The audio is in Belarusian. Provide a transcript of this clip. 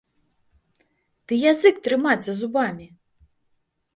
Ды язык трымаць за зубамі!